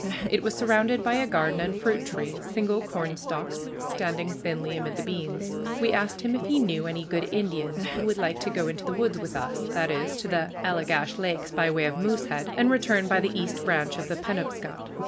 It was surrounded by a garden and fruit trees, single cornstalks standing thinly amid the beans. We asked him if he knew any good Indian who would like to go into the woods with us, that is, to the Allegash Lakes by way of Moosehead, and return by the East Branch of the Penobscot.